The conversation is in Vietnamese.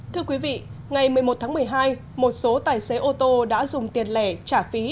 thưa quý vị ngày một mươi một tháng một mươi hai một số tài xế ô tô đã dùng tiền lẻ trả phí